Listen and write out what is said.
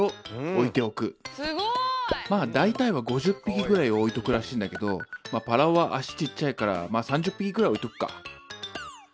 まあ大体は５０匹ぐらい置いとくらしいんだけどパラオは足ちっちゃいから３０匹くらい置いとくか。